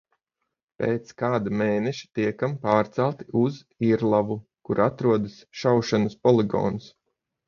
Pēc kāda mēneša tiekam pārcelti uz Irlavu, kur atrodas šaušanas poligons.